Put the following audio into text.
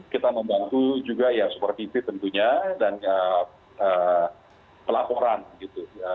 kita membantu juga ya supervisi tentunya dan pelaporan gitu